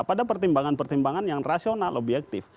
pada pertimbangan pertimbangan yang rasional lebih aktif